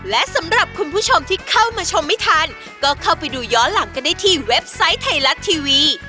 และสำหรับคุณผู้ชมที่เข้ามาชมไม่ทันก็เข้าไปดูย้อนหลังกันได้ที่เว็บไซต์ไทยรัฐทีวี